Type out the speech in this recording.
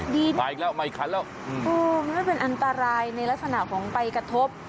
ดีมาอีกแล้วมาอีกคันแล้วมันก็เป็นอันตรายในลักษณะของไปกระทบ